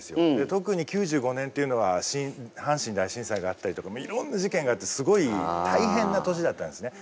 特に９５年というのは阪神大震災があったりとかいろんな事件があってすごい大変な年だったんですね。